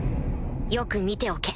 よく見ておけ。